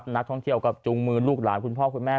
นักท่องเที่ยวก็จุงมือลูกหลานคุณพ่อคุณแม่